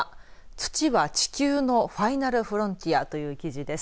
土は地球のファイナル・フロンティアという記事です。